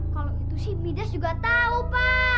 kalau itu sih midas juga tahu pak